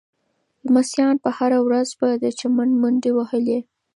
لمسیانو به هره ورځ په چمن کې منډې وهلې.